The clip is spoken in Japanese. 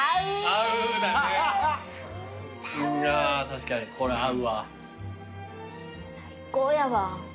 確かにこれ合うわ。最高やわ。